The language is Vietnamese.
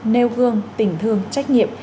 nêu gương tình thương trách nhiệm